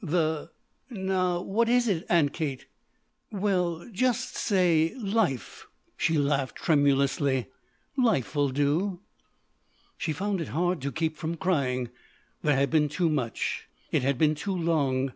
"The now what is it, Aunt Kate?" "Well just say life," she laughed tremulously. "Life'll do." She found it hard to keep from crying. There had been too much. It had been too long.